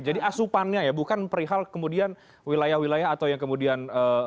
jadi asupannya ya bukan perihal kemudian wilayah wilayah atau yang kemudian